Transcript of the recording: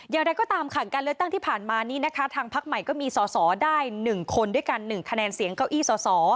อย่างไรก็ตามค่ะการเลือกตั้งที่ผ่านมานี้นะคะทางพักใหม่ก็มีสอสอได้๑คนด้วยกัน๑คะแนนเสียงเก้าอี้สอสอ